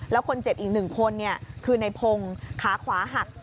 แล้วคนเจ็บอีกหนึ่งคนคือในพงฮัศขาขวาหัก